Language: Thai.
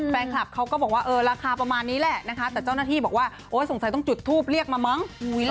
แฟนคลับเขาก็บอกว่าเออราคาประมาณนี้แหละนะคะแต่เจ้าหน้าที่บอกว่าโอ๊ยสงสัยต้องจุดทูปเรียกมามั้ง